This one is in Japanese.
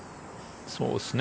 そうですね。